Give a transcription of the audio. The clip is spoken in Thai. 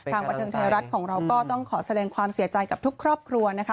บันเทิงไทยรัฐของเราก็ต้องขอแสดงความเสียใจกับทุกครอบครัวนะคะ